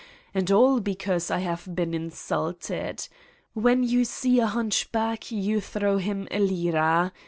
And all because I have been insulted ! W1 n you see a hunchback you throw him a lire.